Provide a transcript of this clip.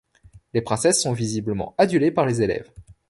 Les Princesses sont visiblement adulées par les élèves.